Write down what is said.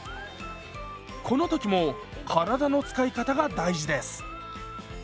この時も体の使い方が大事です。